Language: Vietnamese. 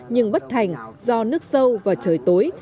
nhưng bất thành do nước sâu và trời tối